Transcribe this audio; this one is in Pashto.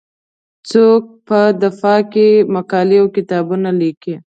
څوک په دفاع کې مقالې او کتابونه لیکي.